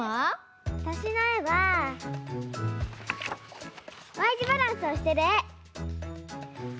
わたしのえはＹじバランスをしてるえ。